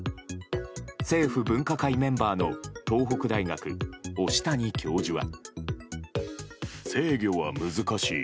政府分科会メンバーの東北大学、押谷教授は。